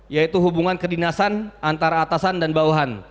yaitu hubungan kedinasan antara atasan dan bawahan